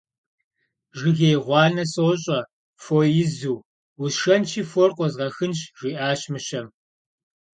Жыгей гъуанэ сощӀэ, фо изу, усшэнщи, фор къозгъэхынщ, - жиӀащ мыщэм.